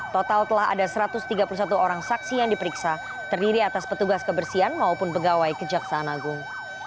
total telah ada satu ratus tiga puluh satu orang saksi yang diperiksa terdiri atas petugas kebersihan maupun pegawai kejaksaan agung